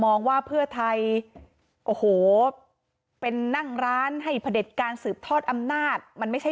ว่าเพื่อไทยโอ้โหเป็นนั่งร้านให้พระเด็จการสืบทอดอำนาจมันไม่ใช่